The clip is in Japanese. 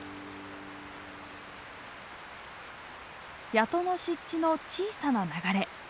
谷戸の湿地の小さな流れ。